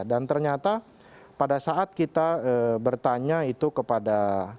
dan ternyata pada saat kita bertanya itu kepada